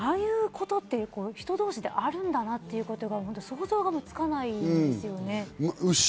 ああいうことって人同士であるんだなって、想像だにつかないですよね。